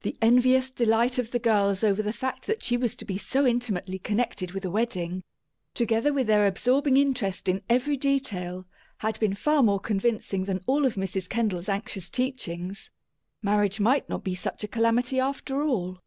The envious delight of the girls over the fact that she was to be so intimately connected with a wedding, together with their absorbing interest in every detail, had been far more convincing than all of Mrs. Kendall's anxious teachings: marriage might not be such a calamity, after all.